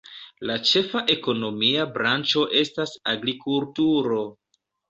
La ĉefa ekonomia branĉo estas agrikulturo.